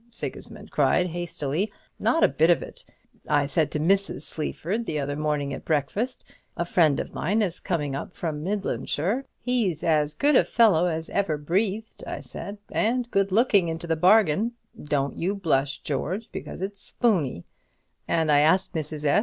Sigismund cried, hastily; "not a bit of it. I said to Mrs. Sleaford the other morning at breakfast, 'A friend of mine is coming up from Midlandshire; he's as good a fellow as ever breathed,' I said, 'and good looking into the bargain,' don't you blush, George, because it's spooney, and I asked Mrs. S.